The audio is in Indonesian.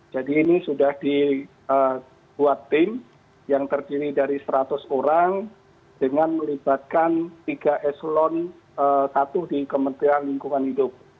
jadi ini sudah dibuat tim yang terdiri dari seratus orang dengan melibatkan tiga eselon satu di kementerian lingkungan hidup